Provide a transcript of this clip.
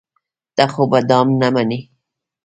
ته خو به دام نه منې.